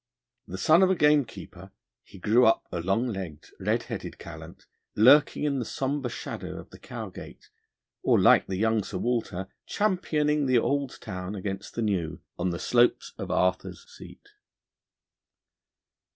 The son of a gamekeeper, he grew up a long legged, red headed callant, lurking in the sombre shadow of the Cowgate, or like the young Sir Walter, championing the Auld Town against the New on the slopes of Arthur's Seat.